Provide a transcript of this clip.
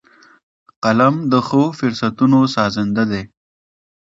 قلم د ښو فرصتونو سازنده دی